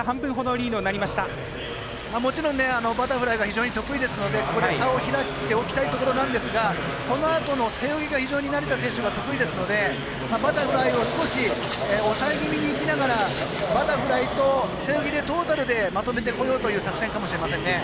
もちろんバタフライが非常に得意ですのでここで差を開いておきたいところなんですがこのあとの背泳ぎが成田選手、非常に得意ですのでバタフライを少し抑え気味にいきながらバタフライと背泳ぎとトータルでまとめてこようという作戦かもしれませんね。